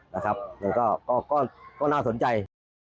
แล้วก็น่าสนใจ